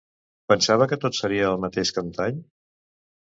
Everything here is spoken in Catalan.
Pensava que tot seria el mateix que antany?